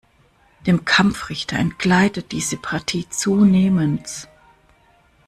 Dem Kampfrichter entgleitet diese Partie zunehmends.